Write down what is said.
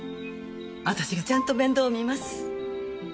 私がちゃんと面倒を見ます。